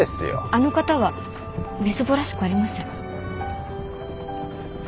あの方はみすぼらしくありません。